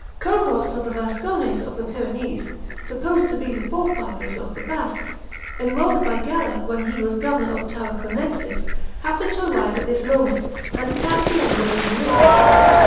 Cohorts of the Vascones of the Pyrenees — supposed to be the forefathers of the Basques— enrolled by Galha, when he was governor of Tarra conensis, happened to arrive at this moment, and attacked the enemy in the rear.